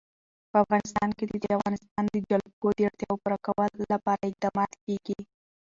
په افغانستان کې د د افغانستان جلکو د اړتیاوو پوره کولو لپاره اقدامات کېږي.